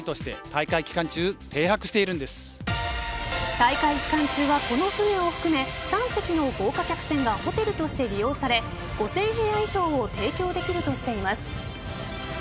大会期間中はこの船を含め３隻の豪華客船がホテルとして利用され５０００部屋以上を提供できるとしています。